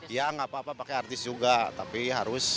ya nggak apa apa pakai artis juga tapi harus